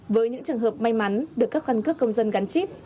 với những trường hợp may mắn được cấp căn cước công dân gắn chip